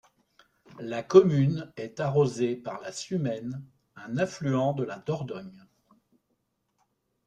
La commune est arrosée par la Sumène, un affluent de la Dordogne.